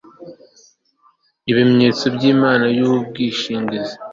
ibyemezo by inama y ubwishingizi